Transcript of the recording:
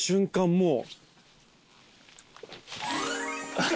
もう。